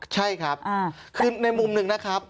ใช่ครับคือในมุมหนึ่งนะครับ